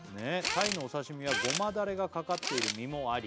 「鯛のお刺身はごまダレがかかっている身もあり」